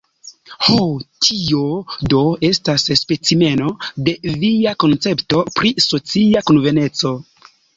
Ho, tio, do, estas specimeno de via koncepto pri socia konveneco?